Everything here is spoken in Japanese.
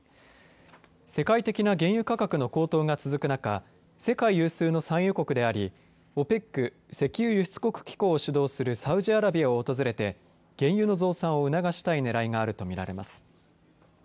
世界的な原油価格の高騰が続く中世界有数の産油国でありＯＰＥＣ石油輸出国機構を主導するサウジアラビアを訪れて原油の増産を促したいねらいがあるとみられます。